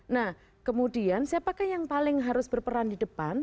nah kemudian siapakah yang paling harus berperan di depan